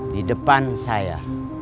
di depan saya